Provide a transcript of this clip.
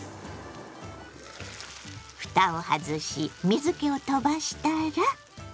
ふたを外し水けを飛ばしたら。